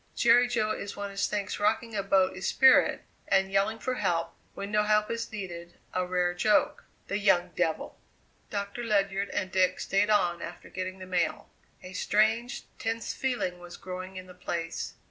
Jerry Jo is one as thinks rocking a boat is spirit, and yelling for help, when no help is needed, a rare joke. The young devil!" Doctor Ledyard and Dick stayed on after getting the mail. A strange, tense feeling was growing in the place.